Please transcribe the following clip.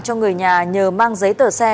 cho người nhà nhờ mang giấy tờ xe